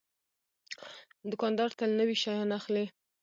دوکاندار تل نوي شیان اخلي.